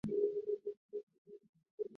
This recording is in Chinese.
佤德昂语支的分类还不完全确定。